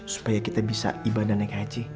supaya kita bisa ibadah naik haji